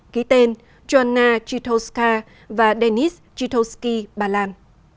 ký tên joanna czitoska và denis czitoski bà lan